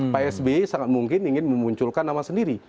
pak sbe sangat mungkin ingin memunculkan nama sendiri